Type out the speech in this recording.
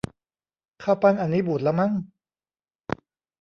ข้าวปั้นอันนี้บูดแล้วมั้ง